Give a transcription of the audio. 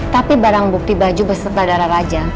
tapi barang bukti baju beserta darah raja